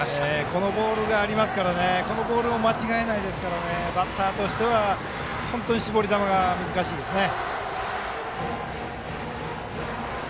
このボールがありますからこのボールは間違えないですからバッターとしては本当に絞り球が難しいですね。